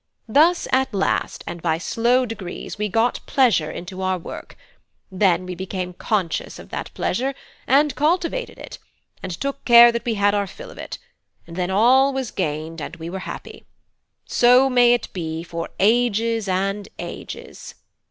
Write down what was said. Thus at last and by slow degrees we got pleasure into our work; then we became conscious of that pleasure, and cultivated it, and took care that we had our fill of it; and then all was gained, and we were happy. So may it be for ages and ages!"